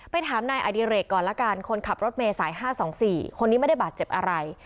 ถามนายอดิเรกก่อนละกันคนขับรถเมย์สาย๕๒๔คนนี้ไม่ได้บาดเจ็บอะไร